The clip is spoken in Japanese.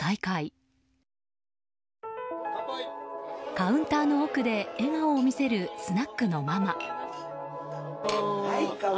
カウンターの奥で笑顔を見せるスナックのママ。